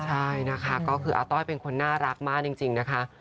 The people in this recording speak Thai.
ใช่นะคะก็คืออาต้อยเป็นคนน่ารักมากจริงนะคะ